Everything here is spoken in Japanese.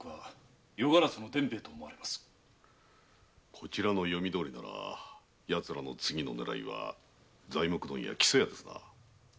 こちらの読みどおりなら次の狙いは材木問屋・木曽屋かと。